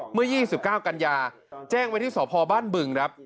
เมื่อ๒๙กันยาแจ้งไว้ที่สพบ้านบึงครับ